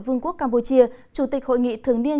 vương quốc campuchia chủ tịch hội nghị thường niên